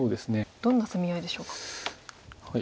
どんな攻め合いでしょうか。